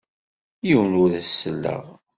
Yiwen ur as-selleɣ.